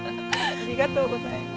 ありがとうございます。